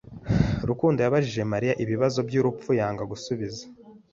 Rukundo yabajije Mariya ibibazo byubupfu yanga gusubiza.